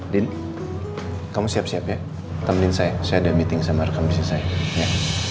din kamu siap siap ya temenin saya saya udah meeting sama rekam bisnis saya